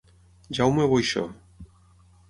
Jaume Boixó.